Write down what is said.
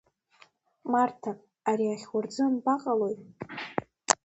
Марҭа, ари ахьурӡы анбаҟалои?